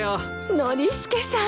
ノリスケさん！